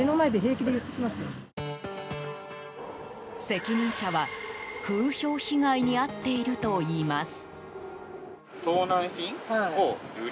責任者は、風評被害に遭っているといいます。